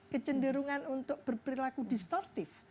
kecenderungan untuk berperilaku distortif